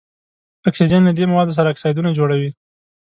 اکسیجن له دې موادو سره اکسایدونه جوړوي.